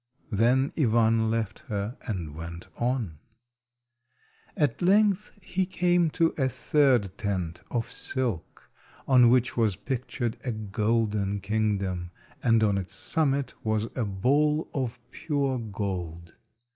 Then Ivan left her and went on. At length he came to a third tent of silk, on which was pictured a golden kingdom, and on its summit was a ball of pure gold.